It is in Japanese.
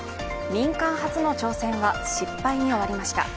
民間初の挑戦は失敗に終わりました。